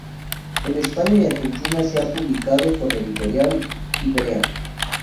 En España y Argentina es publicado por la editorial Ivrea.